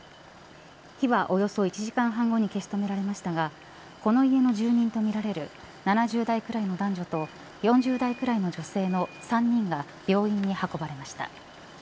火はおよそ１時間半後に消し止められましたがこの家の住人とみられる７０代くらいの男女と４０代くらいの女性の３人が病院に運ばれました。